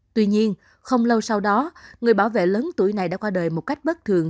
tuy nhiên không lâu sau đó người bảo vệ lớn tuổi này đã qua đời một cách bất thường